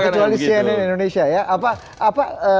kecuali cnn indonesia ya